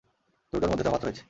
দুটোর মধ্যে তফাৎ রয়েছে।